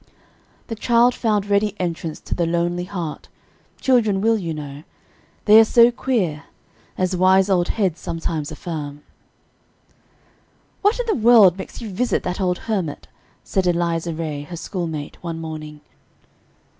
"_] The child found ready entrance to the lonely heart; children will, you know, they are so "queer," as wise old heads sometimes affirm. "What in the world makes you visit that old hermit?" said Eliza Ray, her schoolmate, one morning.